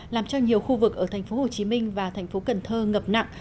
làm cho nhiều khu vực ở tp hcm và tp cn ngập nặng